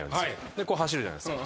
で走るじゃないですか。